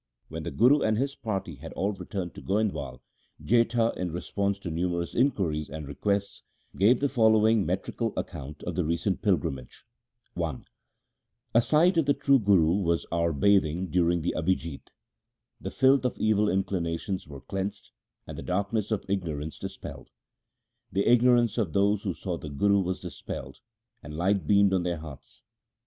When the Guru and his party had all returned to Goindwal, Jetha, in response to numerous inquiries and requests, gave the following metrical account of the recent pilgrimage :— I A sight of the true Guru was our bathing during the Abhijit, 1 The filth of evil inclinations was cleansed, and the darkness of ignorance dispelled. The ignorance of those who saw the Guru was dispelled, and light beamed on their hearts.